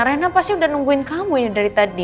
reina pasti udah nungguin kamu ini dari tadi